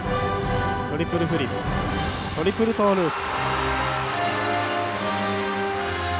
トリプルフリップトリプルトウループ。